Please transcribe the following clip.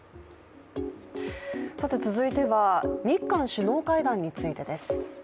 続いては日韓首脳会談についてです。